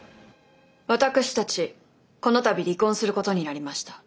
私たちこの度離婚することになりました。